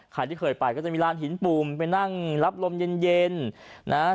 ใครที่เคยไปก็จะมีร้านหินปุ่มไปนั่งรับลมเย็นเย็นนะฮะ